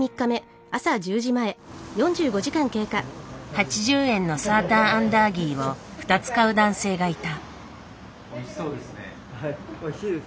８０円のサーターアンダーギーを２つ買う男性がいた。